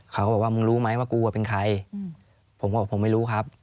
เขาก็บอกว่ามึงรู้ไหมว่ากูเป็นใครผมก็บอกผมไม่รู้ครับ